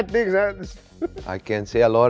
ทำให้ให้ฉะนั้น